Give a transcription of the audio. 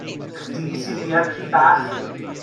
Chdi sydd bia'r ci bach?